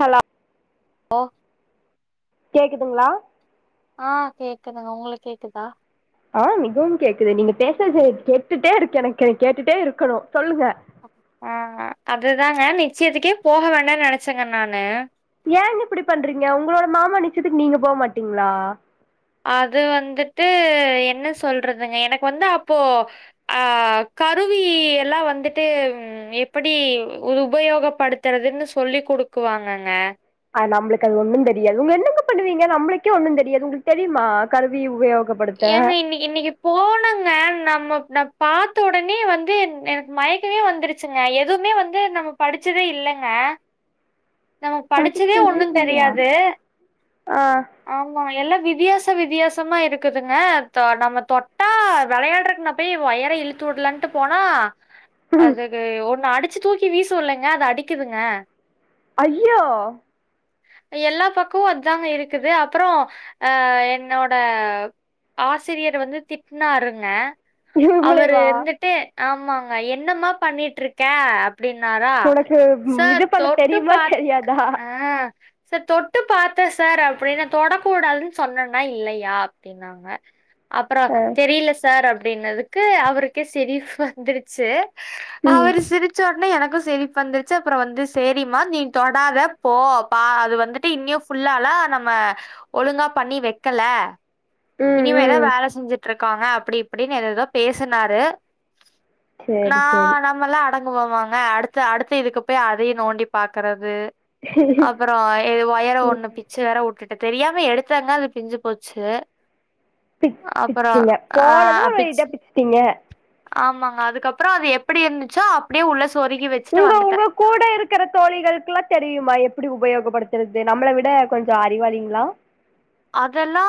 Hello போ கேக்குதுங்களா ஆஹ் கேக்குதுங்க உங்களுக்கு கேக்குதா ஆஹ் மிகவும் கேக்குது நீங்க பேசரது கேட்டுட்டேருக்கு எனக்கு கேட்டுட்டே இருக்கணும் சொல்லுங்க ஆஹ் அதுதாங்க நிச்சயத்துக்கே போக வேண்டாம் நினைச்சேங்க நானு ச்சத்துக்கு நீங்க போக மாட்டீங்களா அது வந்துட்டு என்ன சொல்றதுங்க எனக்கு வந்து அப்போ அஹ் கருவி எல்லாம் வந்துட்டு எப்படி உபயோகப்படுத்துறதுன்னு சொல்லிக் கொடுக்குவாங்கங்க நம்மளுக்கு அது ஒண்ணும் தெரியாது உங்க என்ன பண்ணுவீங்க நம்மளுக்கே ஒண்ணும் தெரியாது உங்களுக்கு தெரியுமா கருவி உவ ஏங்க இன்னைக்கு இன்னைக்கு போனங்க நம்மோ நப் பார்த்த உடனே வந்து எனக்கு மயக்கமே வந்துருச்சுங்க எதுவுமே வந்து நம்ம படிச்சதே இல்லங்க நம்ம படிச்சதே ஒண்ணு தெரியாது ஆ ஆமா எல்லா வித் வித்தியாச வித்தியாசமா இருக் க்குதுங்க தொ நம்ம தொட்டா விளையாட்றக்குன போய் ஒயர இழுத்து விடலான்ட்டு போனா ம். அதுக்கு ஒன்னு அடிச் அச்சு தூக்கி வீசுல்லங்க அது அடிக்குதுங்க ஐயோ எல்லா பக்கமும் அத்தாங்க இருக்குது அப்புறம் அஹ் என்னோட ஆசிரியர் வந்து திட்னாருங்க அவரு இவங்களேவா இருந்துட்டு ஆமாங்க என்னம்மா பண்ணிட்டு இருக்க‌ அப் ப்டின்னாரா உனக்கு ம், சார் இது பண்ண தொட்டு தெரியுமா பாத் தெரியாதா ஆஹ் சார் தொட்டு பாத்தே சார் அப்படின்னா தொடக்கூடாதுன்னு சொன்னேன்னா இல்லையாப் ப்டின்னாங்க அப்புறம் ஆ தெரியல சார் அப் அப்டின்னதுக்கு அவருக்கே சிரிப்பு வந்துருச்சு ம் அவர் சிரிச்சோடனே எனக் க்கும் சிரிப் வந்துருச்சு அப்ரோ வந்து செரிமா நீ தொடாத போ பா அது வந்துட்டு இன்னு ஃபுல்லால நம்ம ஒழுங்கா பண்ணி வைக்கல ம் இனிமேதா ம் வேல செஞ்சுட் ட்டு இருக்காங்க அப்படி இப்படின்னு ஏதேதோ பேசினாரு நா சேரி சேரி நம எல்லா அடக் போவாங்க அடுத்த அடுத்த இதுக்கு போய் அதையு நோண்டி பாக்குறது அப்ரோ ஒயர ஒண்ணு ம் பிச்சு வேற உட்டுட்டு தெரியாம எடுத்தாங்க அது பிஞ்சு போச்சு பி அப்புறோ பிச்சுட்டீங்க ஆ போனது பிச்சு இத பிச்சுட்டீங்க ஆமாங்க அதுக்கப்ரோ அது எப்படி இருந்துச்சோ அப்படியே உள்ள சொ உங்க உங்க கூட இருக்கிற தோழிகளுக்கெல்லா தெரியுமா எப் படி உபயோகப்படுத்துறது நம்மள விட கொஞ்சோ அறிவாளிங்களா அதெல்லா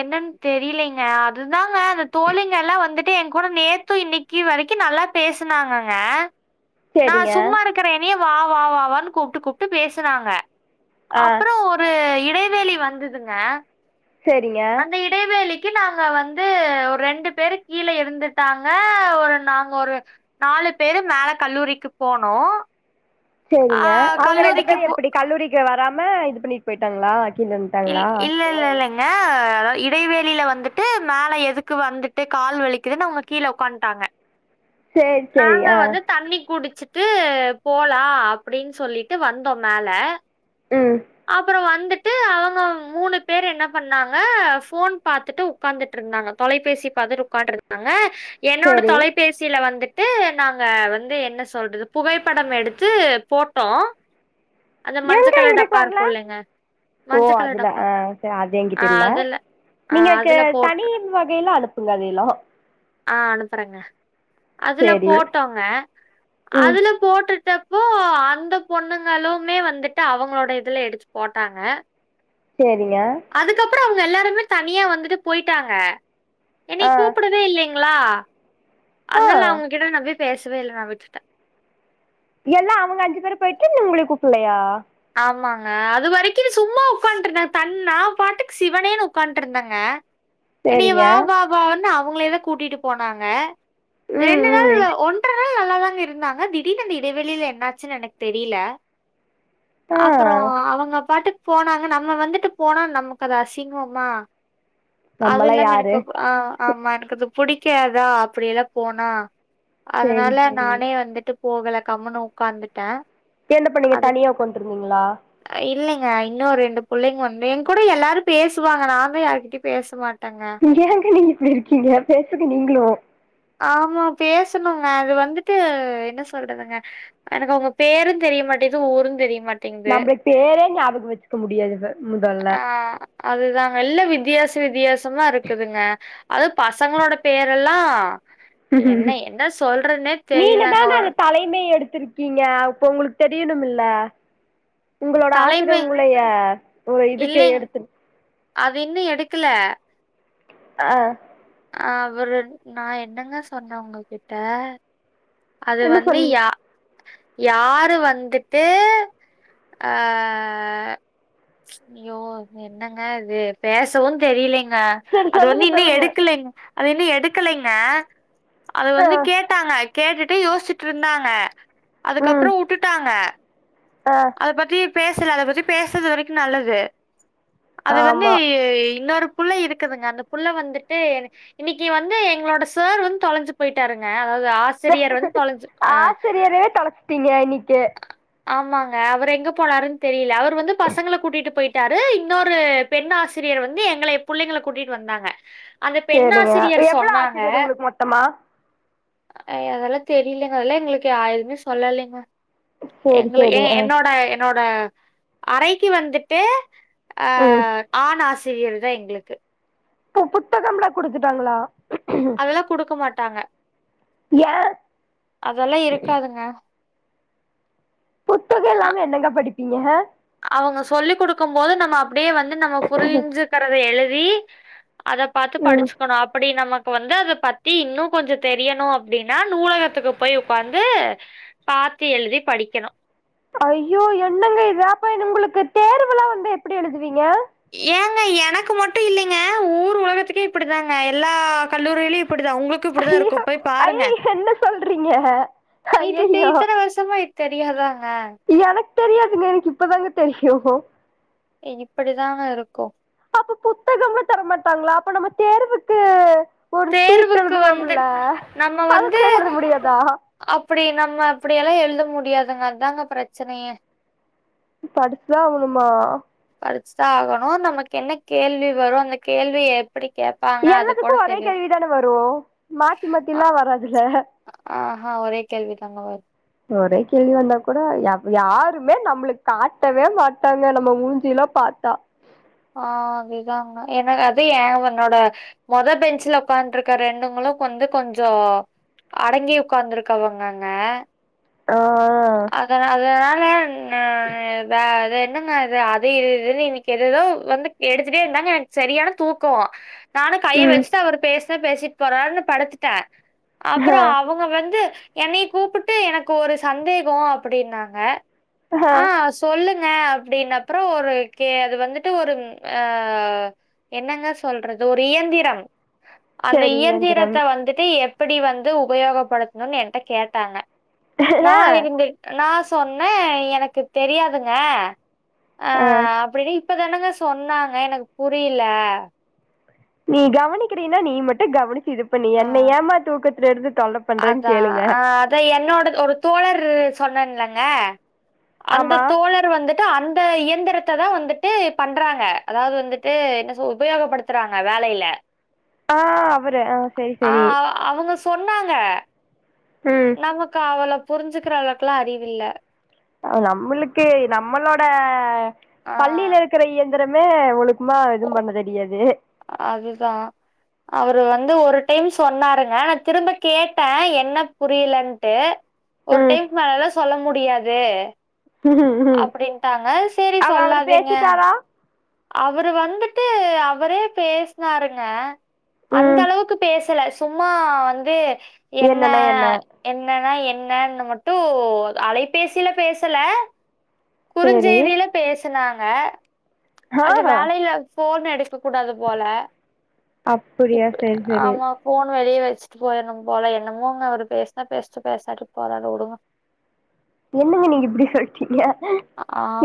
என்னன்னு தெரியலங்க அதுதாங்க அந்த தோழிங்க எல்லா வந்துட்டு எ கூட நேத்து இன்னைக்கு வரைக்கு நல்லா பேசனாங்கங்க நா சேரிங்க சும்மா இருக்கற இன வா வா வா வாான்னு கூப்பிட்டு கூப்பிட்டு பேசுனாங்க ஆ அப்ரோ ஒரு இ டய்வேலி வந்துதுங்க சேரிங்க அந்த இடைேவேலி க்கு நாங்க வந்து ஒரு ரெண்டு பேரு கீழே இருந்துட்டாங்க ஒரு நாங்க ஒரு நாலு பேரு மேல கல்லூரிக்கு போனோ செரிங்க அவங்க ரெண்டு பேரு எப்டி கல்லூரிக்கு வரா இது பண்ணிட்டு போயிட்டாங்களா கீழ இ இருந்துட்டாங்களா இல்ல இல்ல இல்ல அதாவது இடைவேளியில வந்துட்டு மேல எதுக்கு வந்துட்டு கால் வலிக்குதுன்னு அவங்க கீழ உ்காந்துட்டாங்க சேரி சேரி நாங்க ஆ வந்து தண்ணி குடிச்சு ட்டு போலா அப்டின்னு சொல்லிட்டு வந்தோ மேல ம் அப்ரோ வந்து ட்டு அவங்க மூணு பேர் என்ன பண்ணாங்க ஃபோன் பாத்துட்டு உட்காந்துட்டு இருந்தாங்க தொலைபேசி பாத்துட்டு உட்காட்டு இருந்தாங்க என்னோட சேரி தொலைபேசியில வந்து ட்டு நாங்க வந்து என்ன சொல்றது புகைப்படம் எடுத்து போட்டோ எங்க எங்க வரல ஓ மஞ்ச கலர் அதுல டப்பா. ஆ அது ஆ எங்கிட்ட இல்ல அதுல ஆ நீங்க அதுல தனி போட்டு வகையில அனுப்புங்க அதல எல்லா ஆ அனுப்பறேங்க அதுல சேரி போட்டோங்க ம் அதுல போட்டுட்ட இப்போ அந்த பொண்ணுங்களுமே வந்துட்டு அவங்களோட இதுல எடுத்து போட்டாங்க செரிங்க அப்பறம் அவங்க எல்லாருமே தனியா வந்துட்டு போயிட்டாங்க என்ன ஆ கூப்படவே இல்லிக ங்களா ஆ அதாலாம் அவங்ககிட்ட ந [inaudible] பேசவே இல நான விட்டுட்டேன் எல்லாம் அவங்க அஞ்சு பேர் போயிட்டு இருந்த உங்களுக்கு கூப்பள்ளயா ஆமாங்க அது வரைக்கும் சும்மா உட்காட்டு இருந்தாங்க தன் பாட்டுக்கு சிவனேன்னு உட்காட்டு இருந்தேங்க என் சேரிங்க வா வா பா ஒ அவங்களதோ கூட்டிட்டு போனாங்க ம் ரெண்டு நாள் ம் ஒன்ற நாள் இருந்தாங்க திடீனு அந்த இடைவெளியில என்னாச்சுன்னு எனக்கு தெரியல ஆ அப்பறம் அவங்க பாட்டு போனாங்க நம்ம வந்துட்டு போனா நமக்கு அது அசிங்கமா நம்மல்லா அதுல்லாம யாரு யெனக்கு ஆஹ் ஆமா யெனக்கது புடிக்காதா அப்டியெல்லாம் போனா சேரி அதனால சேரி நானே வந்துட்டு போகல கம்முனு உக்காந்துட்டேன் யென்ன பண்ணீங்க தனியா உக்காண்டிருந்தீங்களா யில்லைங்க யின்னும் ஒரு ரெண்டு பிள்ளைங்க வந் என் கூட யெல்லாரும் பேசுவாங்க நா தான் யாருகிட்டயும் பேசமாட்டேன் நீங்க யேங்க நீங்க யிப்டிருக்கீங்க பேசுங்க நீங்களும் ஆமா பேசணுங்க அது வந்துட்டு யென்ன சொல்றதுங்க யெனக்கு உங்க பேரும் தெரிய மாட்டேது ஊரும் தெரிய மாட்டேங்குது நம்ளுக்கு பேரே ஞாபகம் வச்சுக்க முடியரது முதல்ல ஆ அதுதாங்க யில்ல வித்தியாச வித்தியாசம தாருக்குதுங்க அது பசங்களோட பேரெல்லாம் யென்ன யென்ன சொல்றன்னே தெரியலங்க ருக்கீங்க அப்ப உங்களுக்கு தெரியணும்ல்ல உங்களோட தலைமை ஆசிரியங்குளய ஒரு யிதுக்கு இல்லைங்க யெடுத்து அது யின்னும் யெடுக்கல ஆஹ் அஹ் அவரு நான் யென்னங்க சொன்னேன் உங்க கிட்ட அது என்ன வந்து சொன்னீங்க யா யாரு வந்துட்டு அஹ் ஐயோ யென்னங்க யிது பேசவும் தெரியலங்க ஆ சரி அது வந்து சொல்லுங்க யின்னும் சொல்லுங்க யெடுக்கலைங் அது யின்னும் யெடுக்கலைங்க அது ஆ வந்து கேட்டாங்க கேட்டுட்டு யோசிச்சிட்டுருந்தாங்க ம் அதுக்கப்றம் வுட்டுட்டாங்க ஆ அத பத்தி பேசல அத பத்தி பேசர வரைக்கும் நல்லது அது வந்து ஆமா யின்னொரு புள்ள யிருக்குதுங்க அந்த புள்ள வந்துட்டு யின்னைக்கு வந்து யெங்களோட சேர் வந்து தொலஞ்சு போயிட்டாருங்க அதாவ்து ஆசிரியர் வந்து தொலஞ்சு ஆஹ் [unintelligible] னிட்டு ஆமாங்க அவர் யெங்க போனாருன்னு தெரிய்ல அவர் வந்து பசங்கள கூட்டிட்டு போயிட்டு டாரு யின்னொரு பெண் ஆசிரியர் வந்து யெங்கள புள்ளைங்கள கூட்டிட்டு வந்தாங்க அந்த பெண் சேரிங்க ஆசிரியர் எவ்ளோ சொன்னாங்க. ஆசிரியர் உங்களுக்கு மொத்தமா அ அதெல்லாம் தெரிலெங்க அதெல்லா எங்களுக்கு யா எதுவுமே சொல்லலேங்க சேரி எங்கள சேரி ஏன் ஆ என்னோட என்னோட அறைக்கி வந்துட்டு ம் அஹ் ஆண் ஆஸ் சிரியர் தான் எங்க்ளுக்கு பு புத்தகம்ளா குடுத்துட்டாங்களா அதெல்லா குடுக்க மாட் டாங்க ஏ அதெல்லா இருக்காதுங்க புத்துக இல்லாம என்னெங்க படிப் பிங்க அவ்ங்க சொல்லி குடுக்கும் போது நம்ம அப் டியே வந்து நம்ம புரிஞ்சிக்கரத எழு தி அத பாத்து ம் படிச்சுக்கணும் அப்டி நம்ம இப்ப வந்து அத பத்தி இன்னும் கொஞ்சோ தெரியணும் அப்டின்னா நூலகத்துக்கு போய் உக்காந்து பாத்து எழுதி படிக்கிணும் ஐயோ என்னங்க இது அப்ப உங்களுக்கு தேர்வுெலாம் வந்து எப்படி எழுதுவீங்க ஏங்க எனக்கு மட்டும் இல்லெங்க ஊர் ஒலகத்துக்கே இப்புடிதாங்க எல்லா கல்லூரியிலியும் இப்பு ஐயோ ஐயோ என்ன சொல்றீங்க ஐயயோ தெரியாத ஆஹ் கு தெரியாதுங்க எனக்கு இப்பதாங்க தெரியும் இ இப்டிதான் இருக்கும் அபோ புத்தகம்ல தரமாட்டாங்ளா அப்ப நம்ம தேர்வுக்கு ஒரு சீட்டு தேர்வுக்கு வந்து எழுதுவோம்ல நம்ம அது வந்து கூட எழுத முடியாதா அப்டி நம்ம அப்டியெல்லா எழுத முடியாதுங்க அதாங்க பிரச்சனயே படிச்தான் ஆவுணுமா படிச்சிதான் ஆகணும் நமக்கு என்ன கேள்வி வரும் அந்த கேள்வி எப் எல்லாத்துக்கு ஒரே கேள்விதானே வரும் மாத்தி மத்தில்லா வராதுல ஆஹ் ஒரே கேள்வி தங்க வரு ஒரே கேள்வி வந்தா கூட எவ் யாருமே நம்ப்ளுக் காட்டவே மாட்டாங்க நம்ப மூஞ்சிலா பாத்தா ஆஹ் அதேதாங்க எனக் அது ஏன் ஒன்னோட மொத பெஞ்சில ஒக்கான்றிக்க ரெண்டுங்களும் கொந்து கொஞ்சோ அடங்கி ஒக்காந்துருக்கவங்கங்க ஆ அதன் அத நாள் ள நா த அத என்னங்கது அது இது இதுன்னு இன்னிக்கி எதெததோ வந்து எடுத்துட்டே இருந்தாங்க எனக்கு சரியான தூக்கோ நானும் கைய ம் வஸ்ட்டு அவர் பேஸ் பேசிட்டு போறான்னு படுத்துட்டேன் ஹ அப்புறம் அவங்க வந்து என்னை கூப்பிட்டு எனக்கு ஒரு சந்தேகம் அப்படின்னாங்க ஹ ஆஹ் சொல்லுங்க ங்க அப்படின்னப்புறம் ஒரு கே அது வந்துட்டு ஒரு அஹ் என்னங்க சொல்றது ஒரு இயந்திரம் அந்த சரி எந்திரம் இயந்திரத்தை வந்துட்டு எ எப்படி வந்து உபயோகப்படுத்தணும்ன்னனு என்கிட்ட கேட்டாங்க ஆ நான் இருந்து நான் சொன்னன் எனக்கு தெரியாதுங்க ஆ ஆஹ் அப்படின்னா இப்பதானுங்க சொன்னாங்க எனக்கு புரியல நீ கவனிக்கிறீன்னா நீ மட்டும் கவனி இது பண்ணி அ என்ன ஏமா தூக்கத்துல இருந்து தொலை பண்றேன்னு அதான். கேளுங்க அ சொன்னன்லலைங்க அந்த ஆமா தோழர் வந்துட்டு அந்த இந்த இயந்திரத்தை தான் வந்துட்டு பண்றாங்க அதாவது வந்துட்டு என்ன சொ உபயோகப்படுத்துறாங்க வேலையில ஆஹ் ஆஹ் அவங்க சொன்னாங்க ம் நமக்கு அவல புரிஞ்சுிக்கிற அளவுக்கெல்லாம் அறிவில்ல நம்மளுக்கு நம்மளோட ஆ பள்ளியில் இருக்கிற ரமே ஒழுக்குமா எதுவு பண்ண தெரியாது அதுதா அவரு வந்து ஒரு டைம் சொன்னாருங்க நா திரும்ப கேட்ட என்ன புரியலன்ட்டு ஒரு ம் டைமுக்கு மோலா சொல்ல முடியு முடியாது ம் அப்படின்ட்டாங்க சரி அவ அவரு சொல்லாதீங்க பேசிட்டாரா அவரு வந்துட்டு அவரே பேசனாருங்க அந்த ம் அளவுக்கு பேசல சும்மா வந்து என்ன என்னன்னா என் என்னன்ன மட்டு அலைபேசியில பேசல சேரி குறுஞ்செய்தில பேசனாங்க ஆஹ ஆ அது வேலைல ஃபோன் எடுக் க்க கூடாது போல அப்டியா இப்ப சேரி சேரி ஆமா ஃபோன் வெளியே வச்சுட்டு போயிடணு போல என்னமோங்க அவரு பேசினா பேசிட்டு பேசாட்டு போறாரு விடுங்க என்னங்க நீங்க இப்படி சொல்லிட்டீங்க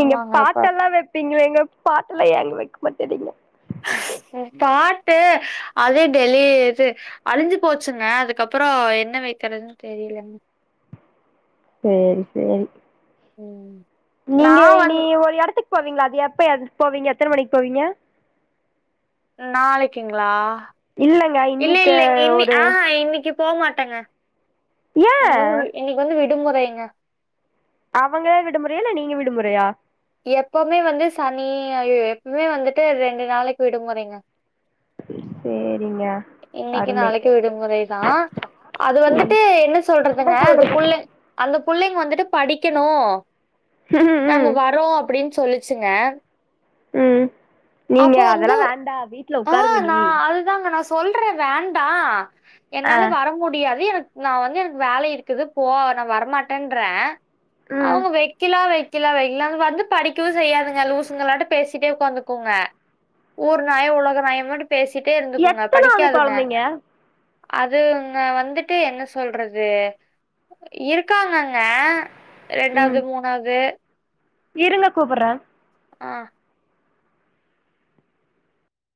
நீங்க அப்ப பாட்ட எல்லா வைப்பீங்களே பாட்ட எல்லா ஏன் வைக்க மாட்டேறீங்க பாட்டு அதே டெலி இது அழிஞ்சு போச்சுங்க அதுக்கப்ரோ என்ன வைக்கிறதுன்னு தெரியலங்க சேரி சேரி உம் நீங்க இனி ஒரு இடத்துக்கு போவீங்களா அது எப்ப போவீங் எத்தனை மணிக்கு போவீங்க நாளைக்குங்களா இல்லங்க இல்ல இன்னைக்கு இல்லைங்க இன்னி ஒரு ஆஹா இன்னைக்கு போக மாட்டேங்க ஏ வந்து இன்னைக்கு வந்துட்டு விடுமுறைங்க அவங்க விடுமுறையா இல்ல நீங்க விடுமுறையா எப்பவுமே வந்து சனி எப்பவுமே வந்துட்டு ரெண்டு நாளைக்கு விடுமுறைங்க சேர் இன்னைக்கு நாளைக்கு விடுமுறைதா அது வந்துட்டு என்ன சொல்றதுங்க அது குள்ள அது புள்ளைங்க வந்துட்டு படிக்கணு ம் நாங்க ம் வரோ அப்படின் சொல்லிச்சுங்க உம் நீங்க அதெல்லாம் வேண்டாம் வீட்டுல உட்காருங்கடி சொல்ற வேண்டாம் ஆ என்னாலும் வர முடியாது எனக்கு நான் வந்து எனக்கு வேலை இருக்குது போ நான் வரமாட்டேன்றறேன் ம் அவங்க வெக்கிலா வெ கிலா வெங்கிலா வந்து படிக்கவும் செய்யாதுங்க லூசுங்களாட்ட பேசிட்டே உக்காந்துக்கோங்க ஊர் நாயம் உலக நாயம்ட்ட பேசிட்டே இருந்துக்குங்க எத்தனாவது படிக்காதுங்க குழந்தைங்க அதுங்க வந்துட்டு என்ன சொல்றது இருக்காங்கங்க ரெண்டாவது ம் மூணாவது இருங்க கூப்பிடறேன் ஆஹ்